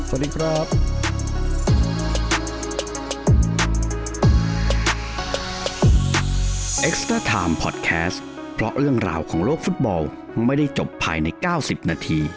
สวัสดีครับ